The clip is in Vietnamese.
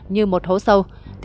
như một hố sâu